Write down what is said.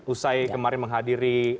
usai kemarin menghadiri acara bersama kita